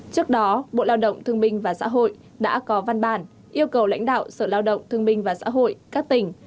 trước đó bộ lao động thương binh và xã hội đã có văn bản yêu cầu lãnh đạo sở lao động thương binh và xã hội các tỉnh